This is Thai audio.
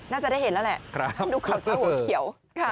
น่าจะได้เห็นแล้วแหละดูข่าวเช้าหัวเขียว